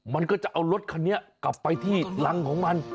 มันก็จะเอารถคันนี้กลับไปที่รังของมัน